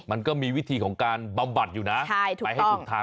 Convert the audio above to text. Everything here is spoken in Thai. มันก็มีวิธีของการบำบัดอยู่นะไปให้ถูกทาง